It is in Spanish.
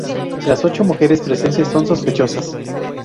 Las ocho mujeres presentes son sospechosas.